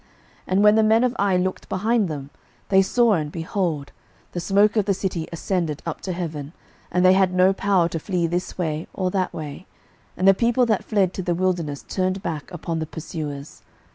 06:008:020 And when the men of Ai looked behind them, they saw, and, behold, the smoke of the city ascended up to heaven, and they had no power to flee this way or that way: and the people that fled to the wilderness turned back upon the pursuers.